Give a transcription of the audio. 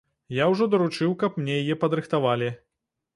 Я ўжо даручыў, каб мне яе падрыхтавалі.